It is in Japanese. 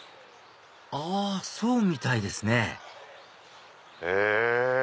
あそうみたいですねへぇ！